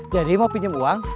jadi mau pinjem uang